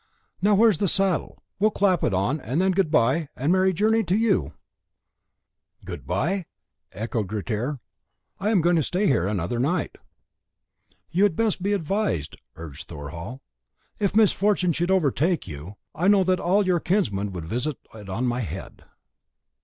"Now, where's the saddle? We'll clap it on, and then good bye, and a merry journey to you." "Good bye!" echoed Grettir; "I am going to stay here another night." "You had best be advised," urged Thorhall; "if misfortune should overtake you, I know that all your kinsmen would visit it on my head."